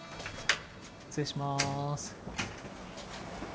失礼します。